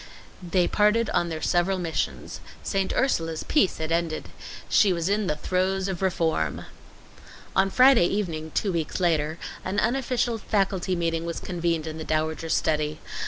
They parted on their several missions. St. Ursula's peace had ended. She was in the throes of reform. On Friday evening two weeks later, an unofficial faculty meeting was convened in the Dowager's study.